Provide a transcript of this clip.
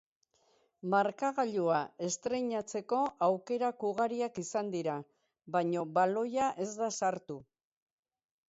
Markagailua estreinatzeko aukerak ugariak izan dira, baina baloia ez da sartu.